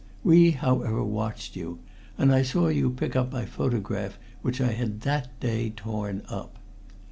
We, however, watched you, and I saw you pick up my photograph which I had that day torn up.